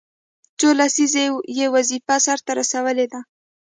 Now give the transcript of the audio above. څو لسیزې یې وظیفه سرته رسولې ده.